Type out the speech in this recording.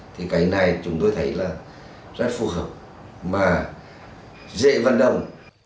thì cái này chúng tôi thấy là rất phù hợp mà dễ vận động